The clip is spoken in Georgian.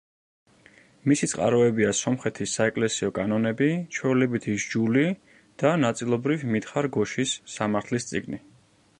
მისი წყაროებია სომხეთის საეკლესიო კანონები, ჩვეულებითი სჯული და, ნაწილობრივ, მითხარ გოშის სამართლის წიგნი.